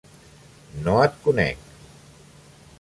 No et conec.